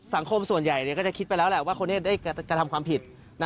สังคมส่วนใหญ่ก็จะคิดไปแล้วว่าคนนี้ทำความผิด